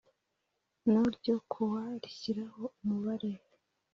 no ryo kuwa rishyiraho umubare